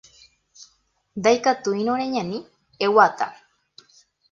Ndaikatúirõ reñani, eguata